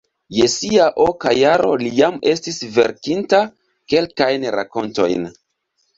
Je sia oka jaro li jam estis verkinta kelkajn rakontojn.